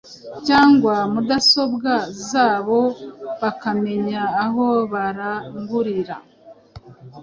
cyangwa mudasobwa zabo bakamenya aho barangurira